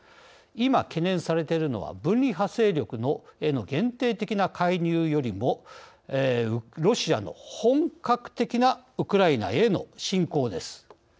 今、懸念されているのは分離派勢力への限定的な介入よりもロシアの本格的なウクライナへの侵攻です。